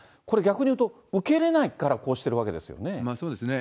これ、逆に言うと、受けれないからこうしそうですね。